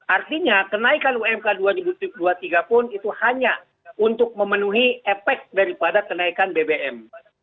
artinya kenaikan umk dua ribu dua puluh tiga pun itu hanya untuk memenuhi efek daripada kenaikan bbm